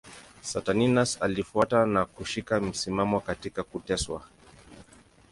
Saturninus alifuata na kushika msimamo katika kuteswa.